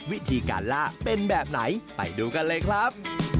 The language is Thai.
วิธีการล่าเป็นแบบไหนไปดูกันเลยครับ